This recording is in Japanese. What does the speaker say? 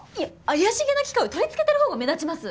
怪しげな機械を取り付けてる方が目立ちます。